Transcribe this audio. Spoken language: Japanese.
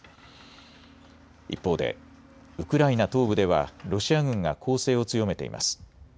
一方でウクライナ東部ではロシア軍が攻勢を強めています。